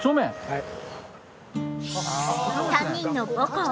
はい。